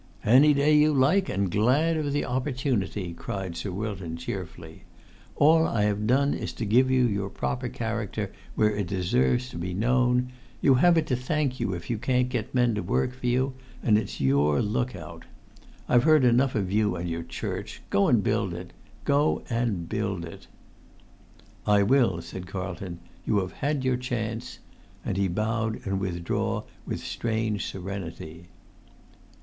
"Any day you like, and glad of the opportunity!" cried Sir Wilton, cheerfully. "All I have done is to give you your proper character where it deserves to be known; you have it to thank if you can't get men to work for you; and it's your look out. I've heard about enough of you and your church. Go and build it. Go and build it." "I will," said Carlton. "You have had your chance." And he bowed and withdrew with strange serenity.